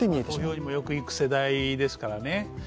投票にもよく行く世代ですからね。